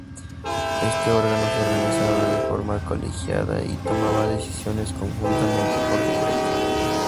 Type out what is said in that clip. Este órgano se organizaba de forma colegiada y tomaba decisiones conjuntamente por Decreto.